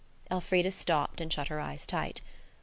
Elfrida stopped and shut her eyes tight.